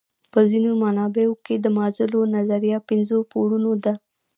په ځینو منابعو کې د مازلو نظریه پنځو پوړونو ده.